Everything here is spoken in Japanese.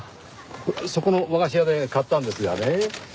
そこの和菓子屋で買ったんですがね